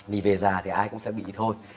vì về già thì ai cũng sẽ bị thôi